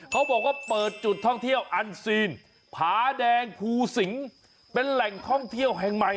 เขาบอกว่าเปิดจุดท่องเที่ยวอันซีนผาแดงภูสิงเป็นแหล่งท่องเที่ยวแห่งใหม่